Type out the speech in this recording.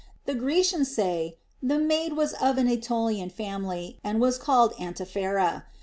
The Grecians say the maid was of an Aetolian family, and was called Antiphera.